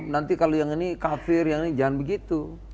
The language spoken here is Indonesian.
nanti kalau yang ini kafir yang ini jangan begitu